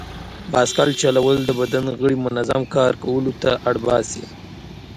بایسکل چلول د بدن غړي منظم کار کولو ته اړ باسي.